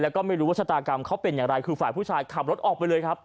แล้วก็ไม่รู้ว่าชะตากรรมเขาเป็นอย่างไรคือฝ่ายผู้ชายขับรถออกไปเลยครับ